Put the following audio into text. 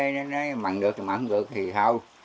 nó mặn được thì mặn được thì thôi